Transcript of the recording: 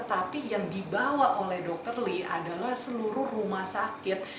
tapi yang dibawa oleh dokter lee adalah seluruh rumah sakit